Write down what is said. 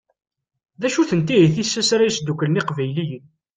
D acu-tent ihi tissas ara yesdukklen Iqbayliyen?